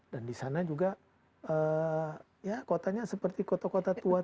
dan di sana juga ya kotanya seperti kota kota tua tua di malaka